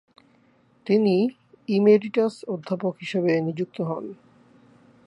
তিনি ইমেরিটাস অধ্যাপক হিসেবে নিযুক্ত হন।